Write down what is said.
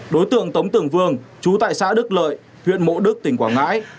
đối tượng tống tưởng vương chú tại xã đức lợi huyện mộ đức tỉnh quảng ngãi